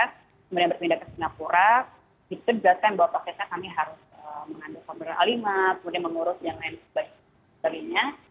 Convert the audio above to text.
kemudian berpindah ke singapura itu biasanya bahwa prosesnya kami harus mengandung pemerintah lima kemudian mengurus dan lain sebagainya